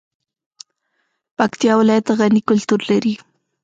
پکتیا ولایت غني کلتور لري